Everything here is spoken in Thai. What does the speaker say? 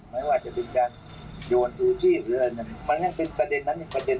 ไม่ว่าจะเป็นการโดนสู่ที่หรืออะไรแบบนั้นมันยังเป็นประเด็นนั้นอีกประเด็นนึงไม่มีการพูดถึง